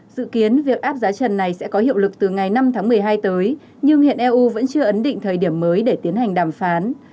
dự kiến việc áp giá trần này sẽ có hiệu lực từ ngày năm tháng một mươi hai tới nhưng hiện eu vẫn chưa ấn định thời điểm mới để tiến hành đàm phán